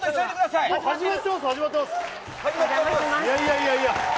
いやいやいや。